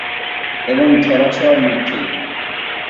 এবং ধরা-ছোঁয়ার মধ্যেই।